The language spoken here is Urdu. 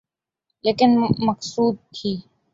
لیکن مقصود تھی۔